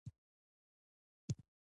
دښتې د افغانستان د فرهنګي فستیوالونو برخه ده.